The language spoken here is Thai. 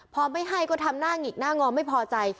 พอไม่ให้ก็ทำหน้าหงิกหน้างอไม่พอใจ